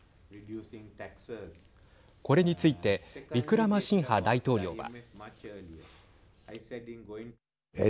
これについてウィクラマシンハ大統領は。